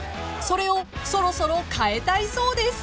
［それをそろそろ変えたいそうです］